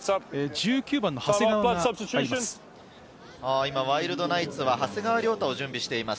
１９番の長谷川が入ります。